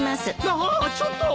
あちょっと！